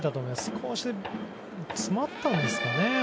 少し詰まったんですかね。